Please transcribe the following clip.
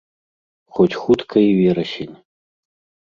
Хоць хутка і верасень.